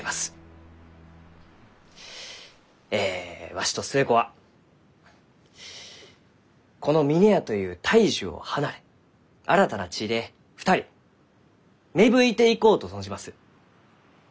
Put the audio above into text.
えわしと寿恵子はこの峰屋という大樹を離れ新たな地で２人芽吹いていこうと存じます。